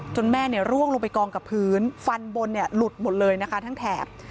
แม่ร่วงลงไปกองกับพื้นฟันบนหลุดหมดเลยนะคะทั้งแถบ